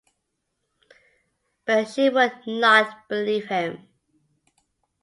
But she would not believe him.